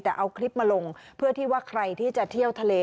แต่เอาคลิปมาลงเพื่อที่ว่าใครที่จะเที่ยวทะเล